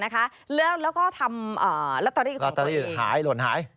แล้วทำลอตเตอรี่ของคนอีกหล่นหาย